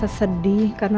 kau bya beginnen dua rena